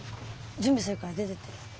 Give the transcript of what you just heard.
準備するから出てって。